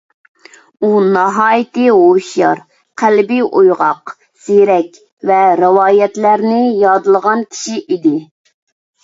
ئۇ ناھايىتى ھوشيار، قەلبى ئويغاق، زېرەك ۋە رىۋايەتلەرنى يادلىغان كىشى ئىدى.